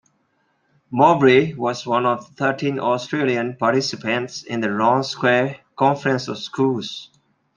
Mowbray was one of thirteen Australian participants in the Round Square Conference of Schools.